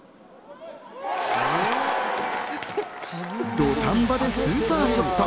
土壇場でスーパーショット。